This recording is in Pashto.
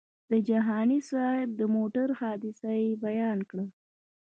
د جهاني صاحب د موټر حادثه یې بیان کړه.